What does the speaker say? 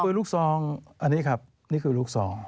ปืนลูกซองอันนี้ครับนี่คือลูกซอง